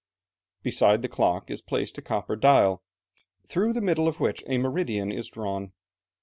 Beside the clock is placed a copper dial, through the middle of which a meridian is drawn.